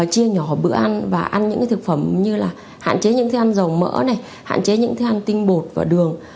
chia nhỏ bữa ăn và ăn những cái thực phẩm như là hạn chế những thứ ăn dầu mỡ này hạn chế những thứ ăn tinh bột và đường